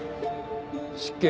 失敬。